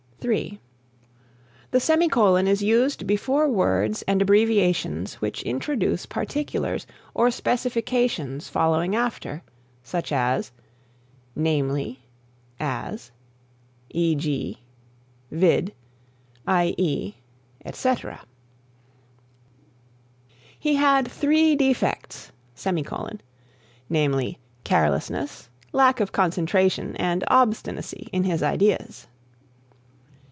(4) The Semicolon is used before words and abbreviations which introduce particulars or specifications following after, such as, namely, as, e.g., vid., i.e., etc.: "He had three defects; namely, carelessness, lack of concentration and obstinacy in his ideas."